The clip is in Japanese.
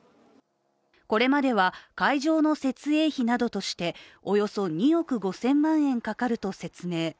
これまでは会場の設営費などとしておよそ２億５０００万円かかると説明。